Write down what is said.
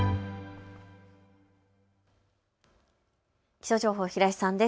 気象情報、平井さんです。